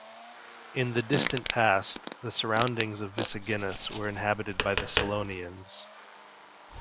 In the distant past, the surroundings of Visaginas were inhabited by the Selonians.